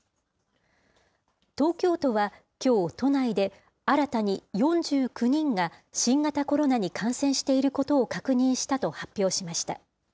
東京都はきょう、都内で新たに４９人が新型コロナに感染していることを確認したと発表しました。